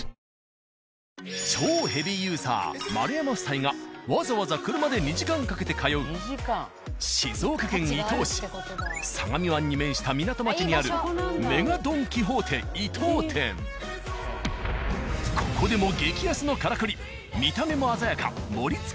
超ヘビーユーザー丸山夫妻がわざわざ車で２時間かけて通う静岡県伊東市相模湾に面した港町にあるここでも激安のカラクリ。